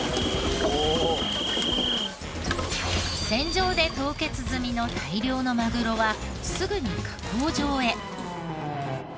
船上で凍結済みの大量のマグロはすぐに加工場へ。